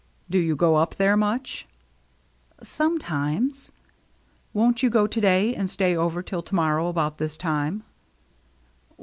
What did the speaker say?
" Do you go up there much ?"" Sometimes." •* Won't you go to day, and stay over till to morrow about this time